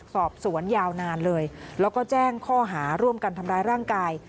สอบสวนยาวนานเลยแล้วก็แจ้งข้อหาร่วมกันทำร้ายร่างกาย